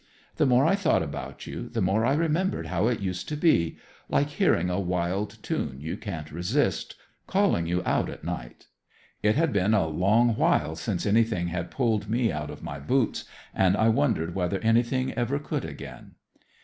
The more I thought about you, the more I remembered how it used to be like hearing a wild tune you can't resist, calling you out at night. It had been a long while since anything had pulled me out of my boots, and I wondered whether anything ever could again."